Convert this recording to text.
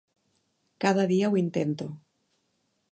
Cada dia ho intento...